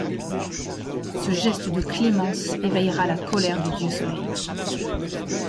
Ce geste de clémence éveillera la colère du dieu-soleil.